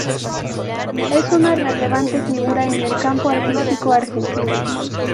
Es una relevante figura en el campo artístico argentino.